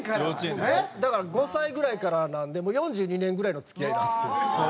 だから５歳ぐらいからなんでもう４２年ぐらいの付き合いなんですよ。